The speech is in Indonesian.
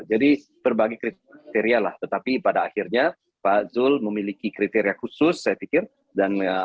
jadi berbagi kriteria lah tetapi pada akhirnya pak zulkifli hasan memiliki kriteria khusus saya pikir dan apapun kriteria khusus yang beliau memiliki